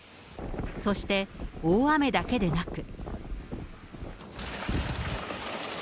そして大雨だけでなく。